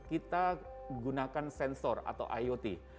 kita gunakan sensor atau iot